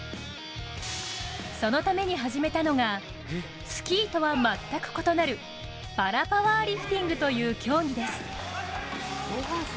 そのために始めたのがスキーとは全く異なるパラパワーリフティングという競技です。